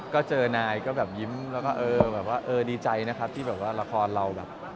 ก็เจอนายก็แบบยิ้มแล้วก็เออแบบว่าเออดีใจนะครับที่แบบว่าละครเราแบบ